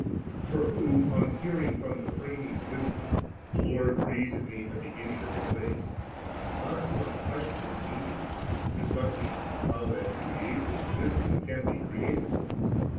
For who, on hearing from the Framing Wisdom, 'The Lord created me a beginning of His wajrs,' does not at once question the meaning, reflecting how Uiat creative Wisdom can be created?